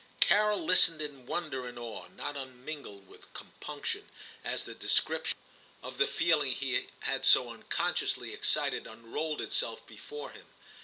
Carol listened in wonder and awe, not unmingled with compunction, as the descrip 314 TIM CHAP. tion of the feeling he had so unconsciously excited unrolled itself before him.